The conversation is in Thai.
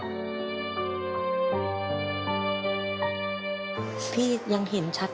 อันนี้ไม่เห็นแล้วครับ